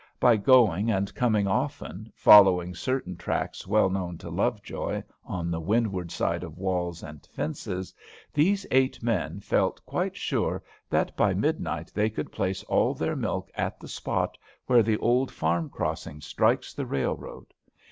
By going and coming often, following certain tracks well known to Lovejoy on the windward side of walls and fences, these eight men felt quite sure that by midnight they could place all their milk at the spot where the old farm crossing strikes the railroad.